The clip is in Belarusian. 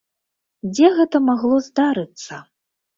Дзе гэта магло здарыцца?